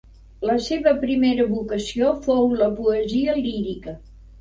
La seva primera vocació fou la poesia lírica.